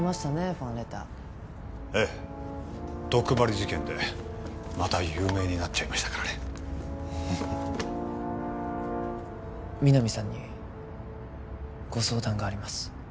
ファンレターええ毒針事件でまた有名になっちゃいましたからね皆実さんにご相談があります